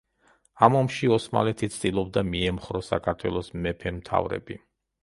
ამ ომში ოსმალეთი ცდილობდა მიემხრო საქართველოს მეფე-მთავრები.